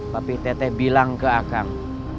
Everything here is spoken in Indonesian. papi teteh bilang ke akang